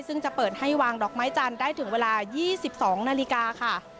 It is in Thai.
ซึ่งจะเปิดให้วางดอกไม้จันทร์ได้ถึงเวลา๒๒นาฬิกาค่ะ